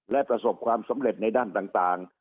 และประสบความสำเร็จในด้านต่าง